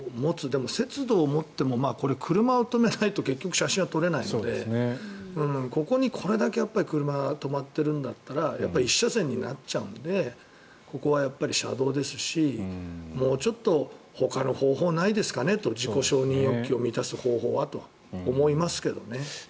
でも、節度を持ってもこれ車を止めないと結局、写真は撮れないのでここに、これだけ車が止まっているんだったら１車線になっちゃうのでここはやっぱり車道ですしもうちょっとほかの方法はないですかねと自己承認欲求を満たすためにはと思いますけどね。